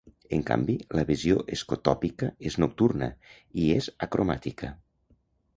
En canvi, la Visió escotòpica és nocturna, i és acromàtica.